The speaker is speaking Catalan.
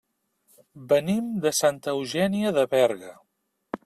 Venim de Santa Eugènia de Berga.